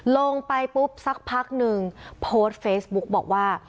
ลงไปปุ๊บสักพักนึงโพสต์เฟซบุ๊กบอกว่า